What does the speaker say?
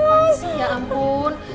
masih ya ampun